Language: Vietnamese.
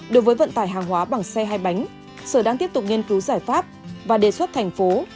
đối với vận tải hàng hóa bằng xe hai bánh sở đang tiếp tục nghiên cứu giải pháp và đề xuất thành phố